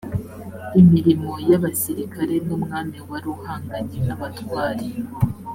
imirimo y abasirikare n umwami wari uhanganye n abatware